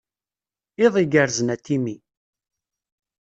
Iḍ igerrzen a Timmy.